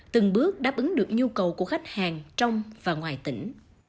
từng bước đáp ứng được nhu cầu của khách hàng trong và ngoài tỉnh